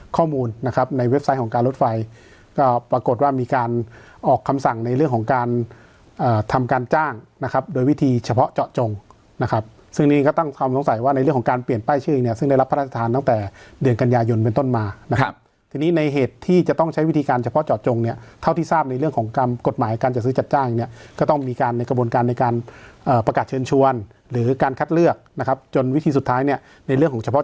การทำการจ้างนะครับโดยวิธีเฉพาะเจาะจงนะครับซึ่งนี้ก็ตั้งความสงสัยว่าในเรื่องของการเปลี่ยนป้ายชื่อเนี่ยซึ่งได้รับพระราชทานตั้งแต่เดือนกันยายนเป็นต้นมานะครับทีนี้ในเหตุที่จะต้องใช้วิธีการเฉพาะเจาะจงเนี่ยเท่าที่ทราบในเรื่องของการกฎหมายการจะซื้อจัดจ้างเนี่ยก็ต้องมีการในกระบวนการใ